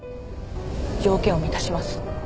条件を満たします。